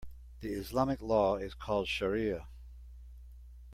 The Islamic law is called shariah.